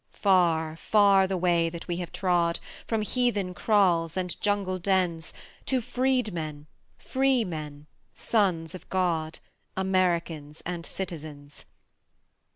Far, far the way that we have trod, From heathen kraals and jungle dens, To freedmen, freemen, sons of God, Americans and Citizens.